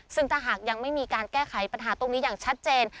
ซึ่งถ้าหากยังไม่มีการแก้ไขปัญหาตรงนี้อย่างชัดเจน